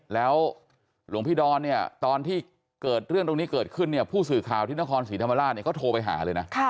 แล้วหลวงพี่ดอนตอนที่เรื่องตรงนี้เกิดขึ้นผู้สื่อข่าวที่นครศรีธรรมราชเขาโทรไปหาเลยนะ